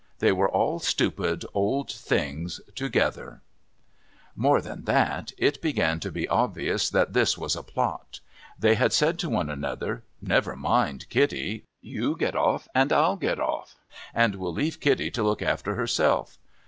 They were all stupid old things together. Alore than that : it began to be obvious that this was a plot. They had said to one another, ' Never mind Kitty ; you get off, and I'll get off; and we'll leave Kitty to look after herself.